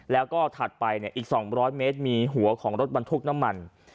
แล้วก็ถัดไปอีก๒๐๐เมตรมีหัวของรถบรรทุกน้ำมัน